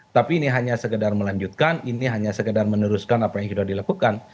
tapi ini hanya sekedar melanjutkan ini hanya sekedar meneruskan apa yang sudah dilakukan